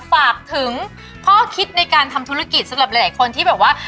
ฝากถึงข้อคิดในการทำธุรกิจสำหรับหลายคนที่แบบว่า